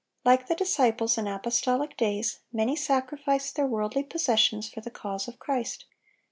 Like the disciples in apostolic days, many sacrificed their worldly possessions for the cause of Christ.